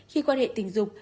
khi quan hệ tình dục